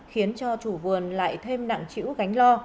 khiến cho chủ vườn lại thêm nặng chữ gánh lo